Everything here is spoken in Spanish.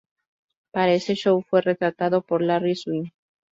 Para ese show fue retratado por Larry Swim.